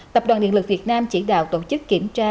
tập đoàn điện lực việt nam chỉ đạo tổ chức kiểm tra